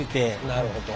なるほど。